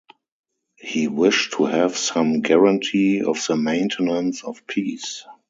He wished to have some guarantee of the maintenance of peace.